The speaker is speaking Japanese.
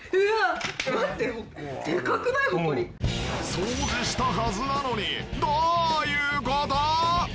掃除したはずなのにどういう事！？